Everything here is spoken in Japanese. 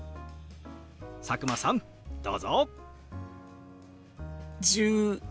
佐久間さんどうぞ！１１。